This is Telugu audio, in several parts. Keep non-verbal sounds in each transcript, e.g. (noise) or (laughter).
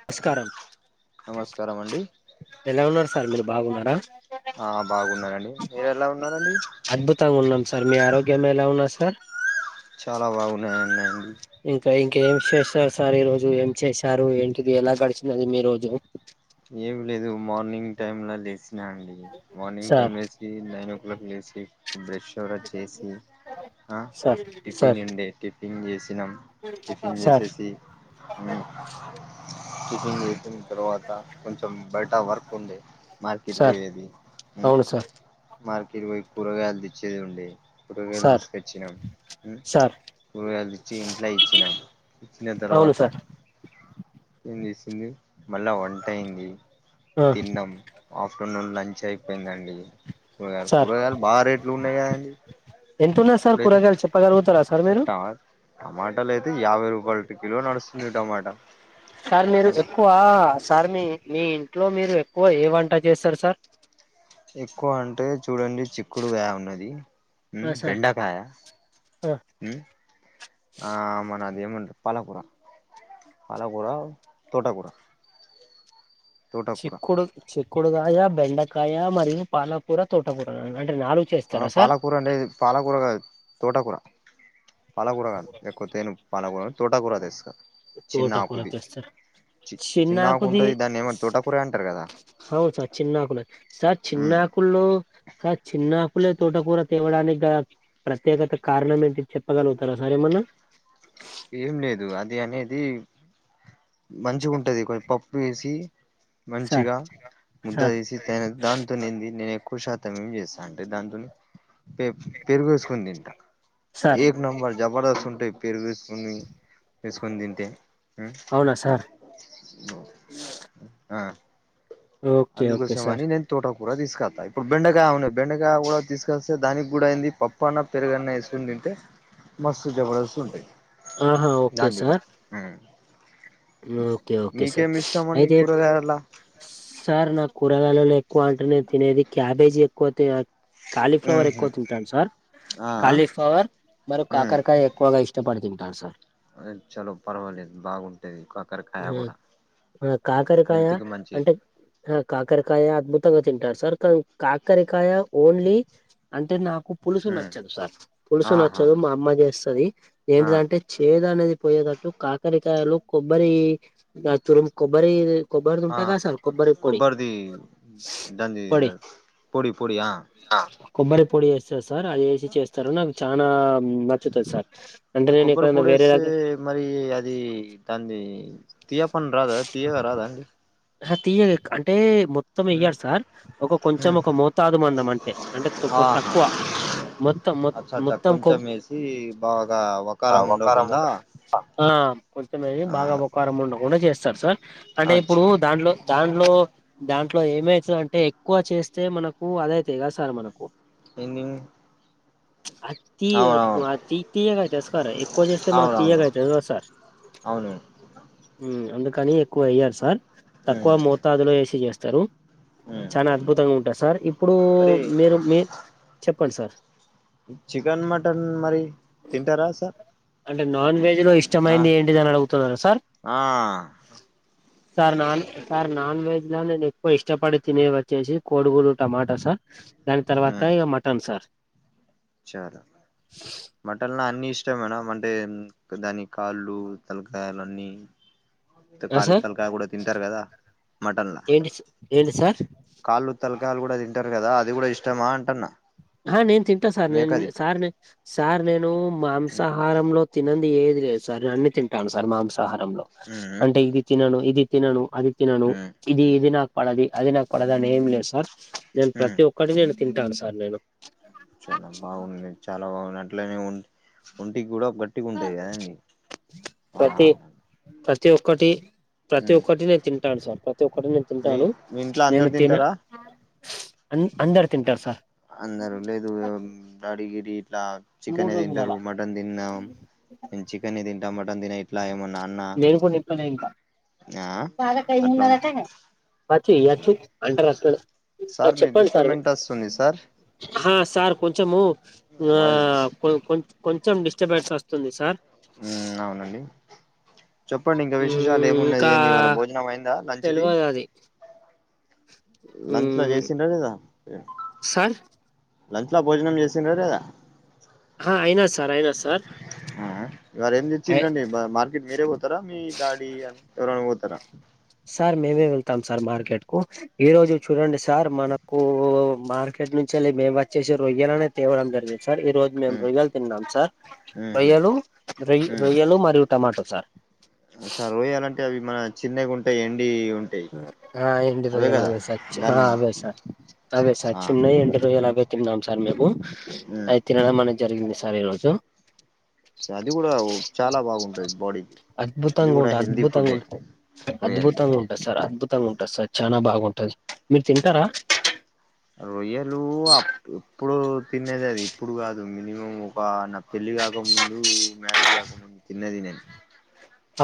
నమస్కారం నమస్కారం అండి ఎలా ఉన్నారు సార్ మీరు బాగున్నారా ఆ బాగున్నారండి మీరు ఎలా ఉన్నారండి అద్భుతంగా ఉన్నాం సార్ మీ ఆరోగ్యం ఎలా ఉన్నా సార్ చాలా బాగున్నాయిన్నా అండి ఇంకా ఇంక ఏం చేస్తారు సార్ ఈ రోజు ఏం చేశారు ఏంటిది ఎలా గడిచిపోయింది మీ రోజు ఏమి లేదు మార్నింగ్ టైమ్ లో లేసినా అండి మార్నింగ్ సార్ టైమ్ లేస్ సి నైన్ ఓ క్లాక్ లేసి బ్రష్ (unintelligible) చేసి ఆ సార్ సార్ టిఫిన్ ఉండే టిఫిన్ చేసినాం టిఫిన్ సార్ చేసేసి కుచింగ్ చేసిన తర్వాత కొంచెం బయట వర్క్ ఉందే మార్కెట్ సార్ పోయేది అ అవును సార్ మార్కెట్ పోయి కూరగాయలు తెచ్చేది ఉండే కూరగాయలు సార్ తీసుకొచ్చినాం సార్ కూరగాయలు తెచ్చి ఇంట్ల ఇచ్చినాం ఇచ్చన అవును తర్వాత సార్ ఏం చేసింది మళ్ళా వంట అయింది ఆ తిన్నాం ఆఫ్టర్నూన్ లంచ్ అయిపోయిందండి కూరగాయలు సార్ కూరగాయలు బాగా రేట్లు ఉన్నాయి కదండి ఎంతున్నా సార్ కూరగాయలు చెప్పగలుగుతారా సార్ మీరు ట టమాటాలు అయితే యాభై రూపాయలు కిలో నడుస్తున్నా టమాటా సార్ మీరు ఎక్కువ సార్ మీ మీ ఇంట్లో మీరు ఎక్కువ ఏ వంట చేస్తారు సార్ ఎక్కువ అంటే చూడండి చిక్కుడుకాయ ఉన్నది ఉమ్ బెండకాయ అ హ్మ్ ఆ ఆమనా అది ఏమంట పాలకూర పాలకూర తోటకూర తోటకూర చిక్కుడు చిక్కుడుకాయ బెండకాయ మరియు పాలకూర తోటకూర అంటే నాలుగు ఆ చేస్తారా సార్ పాలకూర లేదు పాలకూర కాదు తోటకూర పాలకూర కాదు ఎక్కువ తేను పాలకూర తోటాకూర తెస్తా చిన్న తోటకూర ఆకుది తెస్తారా చి చిన్నకుంటుంది దాన్ని ఏమ తోటకూరే అంటారు కదా అవును సార్ చిన్నకున్నా సార్ చిన్న ఉమ్ ఆక్ కుల్లో సార్ చిన్నకులే తోటకూర తేవడానికి గలా ప్రత్యేకత కారణం ఏంటి చెప్పగలుగుతారా సార్ ఏమన్నా ఏం లేదు అది అనేది మంచిగుంటది కొంచం పప్ ప్పు ఎసి సార్ మంచిగా ముద్ద సార్ తీేసి తయర్ దాంతోనే ఏంది నేను ఎక్కువ శాతం ఏమి చేస్తాను అంటే దాంతోని పె పెరుగుసుకుని తింటా సార్ ఏక్ నంబర్ జబరదస్తు ఉంటయి పరుగేసుకుని తిం ఎసుకొని దింటే అవునా సార్ ఉ ఆ ఓకే ఓకే సార్ అందుకోసమానీ నేన్ తోటకూర తీసకత్త ఇప్పుడు బెండకాయా ఉన్నాయి బెండకాయా కూడా తీసుకస్త దానికి కూడా ఏంది పప్ పన్న పెరుగన్న వేసుకు తింటే మస్తు జబర్దస్స్తు ఉంటాయి ఆహా ఓకే దాంది కూడా సార్ ఉమ్ ఓకే ఓకే సార్ మీకేమి ఇష్టం అండి థ్యాంక్యూ కూరగాయలా సార్ నా కూరగాయలలో ఎక్కువ అంటే నేను తినేది క్యాబేజీ ఎక్కువ తిన్నాన్ కాలీఫ్లవర్ ఉహు ఎక్కువ తింటాను సార్ ఆ కాలీఫ్లవర్ మరి కాకరకాయ ఎక్కువగా ఇస్త చపాతి తింటాను సార్ ఆయిల్ చాలా పర్వాలేదు బాగుం టది కాకరకాయ్ ఉమ్ కాకరకాయ కి మంచి అంటే ఆ కాకరకాయ అద్భుతంగా తింటారు సార్ కాని కాకరకాయ ఓన్లీ అంటే నాకు పులుసు ఉమ్ నచ్చదు సార్ పులుసు ఆహా నచ్చదు మా అమ్మ జేస్తది ఆ ఏంటిదంటే చేదు అనేది పోయేటట్టు కాకరకాయలో కొబ్బరి ఆ తురుము కొబ్బరి కొబ్బరిది ఆ ఉంటదిగా సార్ కొబ్బరి పొడి కొబ్బరిది దాంది పొడి పొడి పొడి ఆ కొబ్బరి పొడి యేస్తరు సార్ అది యేసి చేస్తరు నాకు చానా నచ్చుతది సార్ అంటే ఆ నేను కొబ్బరి ఎక్కడనా పొడి వేరే వేస్తే దగ్గర మరి అది దాంది తీయపండు రాదా తీయగా రాదాండి తీయగ అంటే మొ త్తం ఇయ్యడు సార్ ఒక కొంచెం ఒక మోతాదు మందం అంటే అంటే ఆహా తక్కువ మొత్తం అచ్చ అచ్చ మొత్తం కొంచెం వేసి బాగా వకారం అవకారం ఉండకుండా ఉండ ఆ కొంచం ఆ బాగా అవకారం ఉండకుండా జేస్తరు సార్ అంటే ఇప్పుడు అచ్చా దాంట్లో దాంట్లో దాంట్లో ఏమైతదంటే ఎక్కువ చేస్తే మనకు అదైతది గదా సార్ మనకు ఎన్నిమ్ ఆయ్ తీయ తీయగా అయితది సార్ ఎక్కువ చేస్తే మనకి అవునవును తీయగా అయితది గదా సార్ అవును అందుకని ఎక్కువ ఎయ్యరు సార్ తక్కువ ఉమ్ మోతాదులో యేసి చేస్తరు ఉమ్ చానా అద్భుతంగా ఉంటది సార్ ఇప్పుడు మరి మీరు మీరు చెప్పండి సార్ చికెన్ మటన్ మరి తింటారా సార్ అంటే నాన్ వెజ్ లో ఆ ఇష్టమైంది ఏంటిది అని అడుగుతున్నారా సార్ ఆ sir non sir non veg లో నేను ఎక్కువ ఇష్టపడి తినేది వచ్చేసి కోడిగుడ్డు టమాటా సార్ దాని తర్వాత ఉమ్ ఇగ మటన్ సార్ చాలా మటన్ల అన్ని ఇష్టమేనా అంటే దాని కాళ్ళు తలకాయలు అన్ని ఆ కాళి సార్ తలకాయ కూడా తింటారు కదా మటన్లా ఏంటి ఏంటి సార్ కాళ్ళు తలకాయలు కూడా తింటారు గదా అది గూడా ఇష్టమా అంటున్న ఆ నేను తింట సార్ నేను సార్ సార్ నేను మాంసాహారంలో తినన్ ఏది లేదు సార్ అన్ని తింటాన్ సార్ మాంసా హారంలో ఉమ్ అంటే ఇది తినను ఇది తినను అది తినను ఉమ్ ఇది ఇది నాకు పడదు అది నాకు పడదు అని ఏం లేదు సార్ నేను ఉమ్ ప్రతి ఒక్కటి నేను తింటాను సార్ నేను చాలా బాగుంది చాలా బాగుంది అట్లనే ఒంటికి కూడా గట్ గట్టిగుంటది గదండి ఆ ప్రతి ప్రతి ఒక్కటి ప్రతి ఉమ్ ఒక్కటి నేను తింటాను సార్ ప్రతి ఒక్కటి నేను మీ తింటాను మీ ఇంట్లో నేను అందరు తిన తింటారా అందరు తింటారు సార్ అందరు లేదు అదిగిది ఇట్లా మూడు చికెనే రోజులు దింటరు అలా మటన్ దినం చికెన్ తింటాం మటన్ దినే ఇట్లా ఏమన్నా అన్న ఎదుటోనికి చెప్తా నేనింకా యాలకాయ్ అట్లా ఉండాలటగా అక్కి అక్కి అంటరట్లనే సార్ మీ చెప్పండి సార్ డిస్టర్బెంట్ వస్తుంది సార్ ఆ సార్ కొంచము ఆ వాయిస్ కొంచెం డిస్టర్బెన్స్ వస్తుంది సార్ ఉమ్ అవునండి చెప్పండి ఇంకా విశేషాలు ఏమున్నయి ఇంకా ఏంది ఈ వాళ్ళ భో జనంమైందా లంచ్ది తెలియదు అది లంచ్ లో చేసింద్ర లేదా సార్ లంచ్ లో భోజనం చేసిండ్ర లేదా ఆహ అయినా సార్ అయినా సార్ ఇవారా ఏం తెచ్చిందండి మార్కెట్ మీరే పోతారా మీ డాడీ అని ఎవరనా పోతారా సార్ మేమే వెళ్తాం సార్ మార్కెట్ కు ఈ రోజు చూడండి సార్ మనకు మార్కెట్ నుంచిళ్ళ మేము వచ్చేసి రొయ్యాల అనే తేవ్డం జరిగింది సార్ ఈ రోజు మేము మ్మ్ రొయ్యలు తిన్నాం సార్ మ్మ్ హ్మ్ రొయ్యలు రొయ్య రొయ్యలు మరియు టమాటో సార్ అ చ రొయ్యలాం అంటే అవి మన చిన్నగుంటై ఎండి ఉ ఆ ఎండి రొయ్యాల్ అవే సార్ చిన్ ఆ దాన్ని అవే సార్ అవే సార్ ఆ చిన్నై ఎండి రొయ్యాల్ ఆవే తిన్నాం సార్ మేము ఉమ్. అది తినడం అనేది జరిగింది సార్ ఈ రోజు అది కూడా చాలా బాగుంటది బాడీకి అది అద్భుతంగా కూడా ఉంట హెల్దీ అద్భుతంగా ఫుడ్డే ఉంటది రొయ్యల్ది అద్భుతంగా ఉంటంది సార్ అద్భుతంగా ఉంటంది సార్ చానా బాగుంటుంది. ఆ రొయ్యలు అప్ ఎప్పుడు తినేది అది ఇప్పుడు కాదు మినిమం ఒక నా పెళ్లి కాకముందు మ్యారేజ్ కాకముందు తిన్నది నేను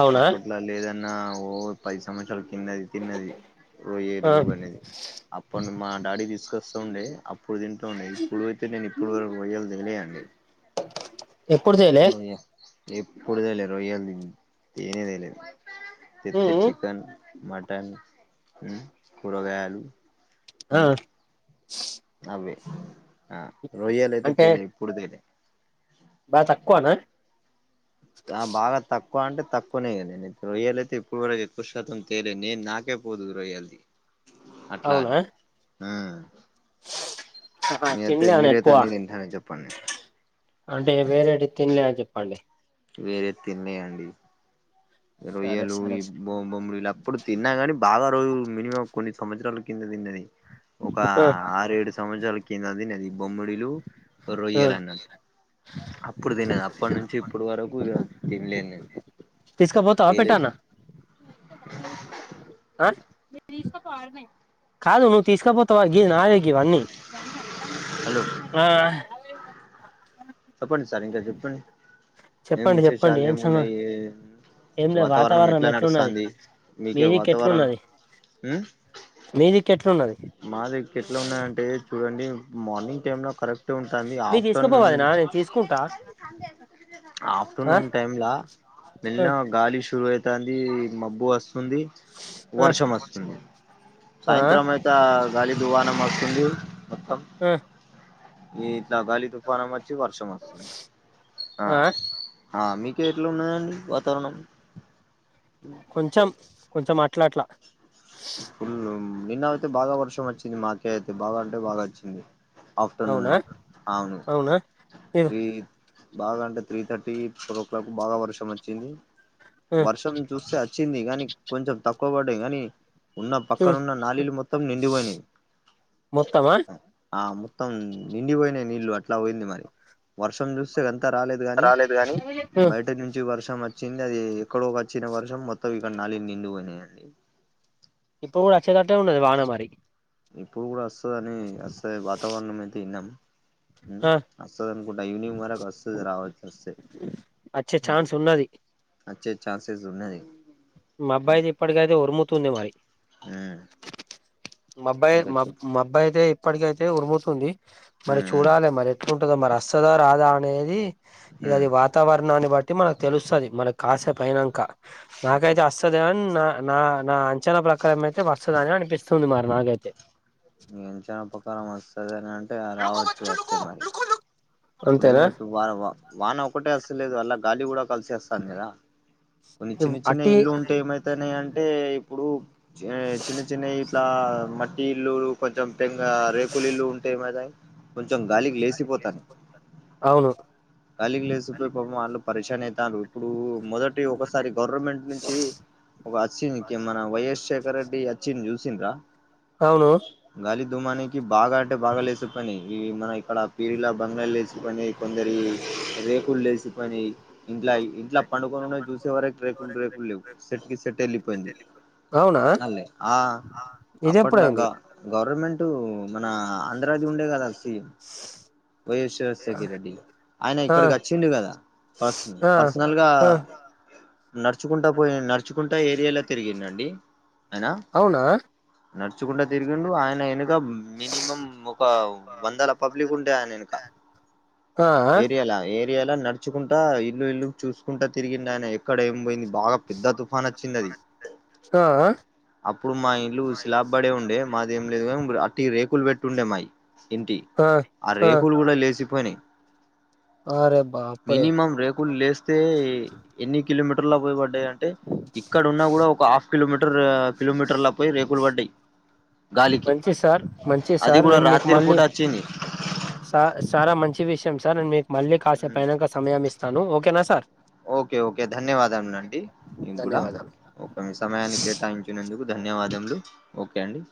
అవునా అప్పట్లా లేదన్నా ఓ పది సంవత్సరాలు కిన్నది తిన్నది ఆ రొయ్యేలు అనేది అప్పన్ మా డాడీ తీసుకొస్తా ఉండే అప్ ఇప్పుడు తింటూండయి ఇప్పుడు అతే నేను ఇప్పుడు వరకు రొయ్యాల్ తెలేయండి. ఎప్పుడు చేయలే రొయ్య ఎప్పుడు లేదు రొయ్య తేనేదలేదు ఉ తెత్తే ఉ చికెన్, మటన్, ఉమ్ కూరగాయలు ఆ ఉమ్ అవే ఆ రొయ్యాల అయితే తెలియ ఏప్పుడు తేలే బా తక్కువనా బాగా తక్కువ అంటే తక్కువనే కద నేను రొయ్యాల అయితే ఇప్పుడు వరకు ఎక్కువ శాతం తేలేదు నేను నాకే పోదు రొయ్యాల అట్లా అవునా అని ఆహా మీ అయితే తినలేను మీరైతే ఎక్కువ అన్నీ తింటార చెప్పండి అంటే వేరేటి తిినలే అని చెప్పండి వేరే తిన్నాయం అండి సరే రొయ్యలు సరే బొమ్ బొమ్ముడు అప్పుడు తిన్నాగాని బాగా రోజు మినిమం కొన్ని సంవత్సరాల కింద తిన్నది ఒక ఆరు ఏడు సంవత్సరాల కింద తిన్నది బొమ్మడిలు రొయ్యాల అన్నట్టు అప్పుడు తినది అప్పటి నుంచి ఇప్పుడు వరకు ఇగ తినలేను నేను తీసుకాపోతావా తేలే పెట్టనా ఆ కాదు నువ్వు తీసుకపోతావా గిది నాది అన్ని హలో ఆ చెప్పండి సార్ ఇకా చెప్పండ్ ఏం చెప్పండి చెప్పండి విశేషల్ ఏం సంగ ఉన్నాయ్ ఏం లే వాతావరణం ఎట్లా ఎట్లున్నది నడుస్తుంది మీ మీకే దిక్కు వాతావరణం మీది కి ఎట్లున్నది మా దగ్గర ఎట్లా ఉన్నాయంటే చూడండి మార్నింగ్ టైమ్ లో కరెక్ట్ టి ఉంటుంది మీరు ఆఫ్టర్నూన్ తీసుకుపోవదినా నుంచి నేను తీసుకుంటా ఆ ఆఫ్టర్నూన్ టైమ్లా ఆ మెల్లగా గాలి శురు డాన్డీ మబ్బు వస్తుంది వర్షం వస్తుంది ఆ సాయంత్రం ఆ గాలీ దువాన మగతుంది ఆ ఈ ఇట్లాగాలి తుఫానం వచ్చి వర్షం వస్తుంది ఆ ఆ మీకు ఎట్లా ఉన్నాదండి వాతావరణం కొంచెం కొంచెం అట్లా అట్లా ఫుల్ నిన్న అయితే బాగా వర్షం వచ్చింది మాకే అయితే బాగా అంటే బాగా వచ్చింది అవునా ఆఫ్టర్నూన్లా అవును అవునా ఇగో ఈ బాగా అంటే three thirty four o'clock బాగా వర్షం వచ్చింది వర్షం చూస్తే వచ్చింది కానీ కొంచెం తక్కువ పడ్డధ్ కానీ ఉన్న పక్కనున్న నాళీలు మొత్తం నిండిపోయినాయి మొత్తమా ఆ మొత్తం నిండిపోయిన నీళ్ళు అట్లా పోయింది మరి వర్షం చూస్తే అంత రాలేదు గాని బయట నుంచి వర్షం వచ్చిందది ఎక్కడో వచ్చిన వర్షం మొత్తం ఇక్కడ నాలీలు నిండి పోయినాయండి ఇప్పుడు కూడా వచ్చేదట్టే ఉన్నది వాన మరి ఇప్పుడు కూడా వస్తుందని వస్తయి వాతావరణం అయితే విన్నాం ఆ అ వస్తది అనుకుంట ఇవనింగ్ వరకు వస్తది రావలస్తే వచ్చే ఛాన్స్ ఉన్నది వచ్చే ఛాన్సెస్ ఉన్నది మబ్బయిది ఇప్పటిక అయితే ఉరుముతుంది మరి ఉమ్ మబ్బయి ఇంకా మా చెప్పు మబ్బయి అయితే ఇప్పటికైతే ఉరుముతుంది మరి ఉమ్ చూడాలి మరి ఎట్లుంటందో మరి వస్తదా రాదా అనేది ఇక ఉమ్ అది వత వాతావరణాన్ని బట్టి మనకు తెలుస్తది మన కాసేపైనంక ఉమ్ నాకైతే వస్తుద అని నా నా నా అంచనా ప్రకారం అయితే వస్తదని అనిపిస్తుంది మరి నాకైతే నీ అంచనపకారం వస్తదని అంటే రావచ్చు వస్తే మరి ఇప్పుడు అంతేనా ఏంటంటే వా వాన ఒకటే వస్తలేదు అలా గాలి కూడా కలిసేస్తాను కదా కొన్ని చిన్న చిన్న అట్టి ఇల్లు ఉంటే ఏమైతనాయ అంటే ఇప్పుడు చిన్న చిన్న ఇట్లా మట్టి ఇల్లు కొంచెం టెంగా రేకులు ఇల్లు ఉంటే ఏమైదంటే కొంచెం గా అవును గాలిగి లేసిపోయి పాపం వాళ్ళు పరేషన్ అయితాడ్రు ఇప్పుడు మొత్తం ఒకసారి గవర్నమెంట్ నుంచి ఒక నుంచి మన వైయస్ శేఖర రెడ్డి వచ్చింది చూసిండ్ర అవును గాలి దూమానికి బాగా అంటే బాగా లెసిపేనై ఇ మన అక్కడ పీరులా బంగాళ లేచిపోని కొందరి రేకులు లేలిచిపోని ఇంట్లా ఇంట్లా పడుకోని ఉన్నా చూసే వరకు రేకులు రేకులేవు సెట్ కి సెట్ వెళ్ళిపోయింది అవునా అలేే ఆ ఇది ఎప్పుడయింది అప్పట్లాగా గవర్నమెంట్ మన ఆంధ్రాది ఉండే కదా సి వైయస్ రాజశేఖర్ రెడ్డి ఆయన ఆ ఇక్కడికి వచ్చిడు కదా పర్సనల్ ఆ పర్సనల్గా ఆ నడుచుకుంటా పోయి నడుచుకుంటా ఏరియాలో తిరిగిందండి అవునా నడుచకుంటడా తిరిగిండు ఆయన వెనుక మినిమం ఒక వందల పబ్లిక్ ఉంటయ్ ఆయనెనుకా ఆ ఏరియాలా ఏరియాలా నడుచుకుంటా ఇల్లు ఇల్లు చూసుకుంటా తిరిగిండు ఆయన ఎక్కడ ఏమ్ పోయింది బాగా. పెద్ద తుఫాన్ వచ్చింది అది ఆ అప్పుడు మా ఇల్లు స్లాబ్ పడే ఉండే మాదేం లేదు గాన్ అట్టి రేకులు పెట్టి ఉండే మాయి. ఇంటియి ఆ రేకులు గూడా లేశిపోయినయి అరే బాప్ మినిమం రేకుల్ లేస్తే ఎన్ని కిలోమీటర్ల పోయి పడ్డయి అంటే. ఇక్కడ ఉన్నా గూడా ఒక హాఫ్ కిలోమీటర్ ఆ కిలోమీటర్ లా పోయి రేకుల్ పడ్డయ్. గాలికి మంచి సార్ మంచి అది గూడా నేను మీకు రాతిరి మళ్ళీ పూట అచ్చింది. సార్ చాలా మంచి విషయం సార్ నేను మీకు మళ్ళీ కాసేపైనంకా సమయం ఇస్తాను ఓకేనా సార్. ఓకే ఓకే ధన్యవాదములు అండి మీకు గూడా ధన్యవాదాలు ఒక మీ సమయాన్ని కేటాయించ్ చినందుకు ధన్యవాదములు ఓకే అండి